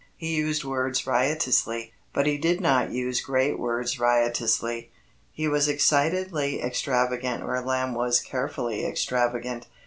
He used words riotously, but he did not use great words riotously. He was excitedly extravagant where Lamb was carefully extravagant.